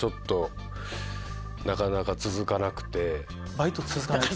バイト続かない？